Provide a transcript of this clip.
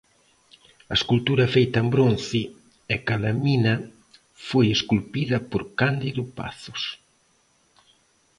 A escultura feita en bronce e calamina foi esculpida por Cándido Pazos.